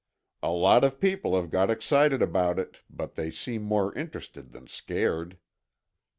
"A lot of people have got excited about it, but they seem more interested than scared."